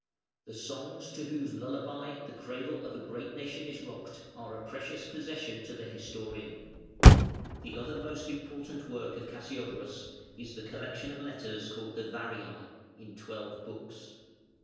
The songs to whose lullaby the cradle of a great nation is rocked are a precious possession to the historian. The other most important work of Cassiodorus is the collection of letters called the Variæ, in twelve books.